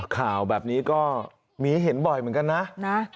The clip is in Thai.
ข่าวแบบนี้ก็มีให้เห็นบ่อยเหมือนกันนะ